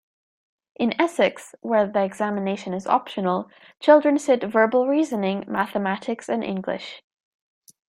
In Essex, where the examination is optional, children sit Verbal Reasoning, Mathematics and English.